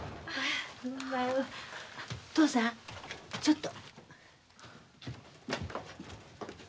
嬢さんちょっと。